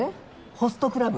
ホストクラブ？